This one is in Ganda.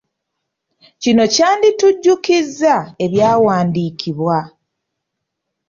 Kino kyanditujjukiza ebyawandiikibwa.